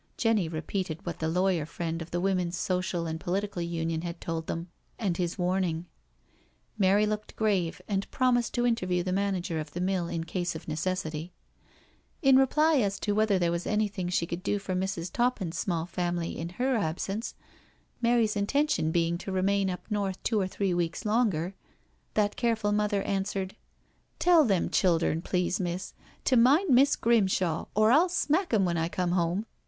Jenny repeated what the lawyer friend of the Women's Social and Political Union had told them, and his warning. Mary looked grave, and promised to interview the manager of the mill in case of necessity. In reply as to whether there was anything she could do for Mrs. Toppin's small family in her absence, Mary's intention being to remain up north two or three weeks longer, that careful mother answered :" Tell them childhern, please, miss, to mind Miss' Grimshaw, or 1*11 smack 'em when I come 'ome.